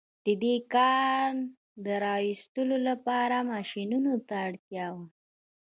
د دې کان د را ايستلو لپاره ماشينونو ته اړتيا وه.